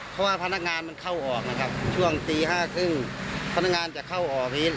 เพราะว่าพนักงานมันเข้าออกนะครับช่วงตี๕๓๐พนักงานจะเข้าออกพี่